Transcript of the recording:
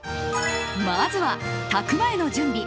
まずは炊く前の準備。